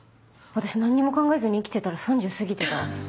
私何にも考えずに生きてたら３０過ぎてた。